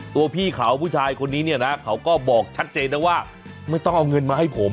พี่เขาผู้ชายคนนี้เนี่ยนะเขาก็บอกชัดเจนนะว่าไม่ต้องเอาเงินมาให้ผม